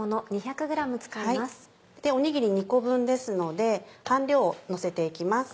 おにぎり２個分ですので半量をのせて行きます。